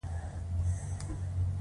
آیا تورنټو یو مالي مرکز نه دی؟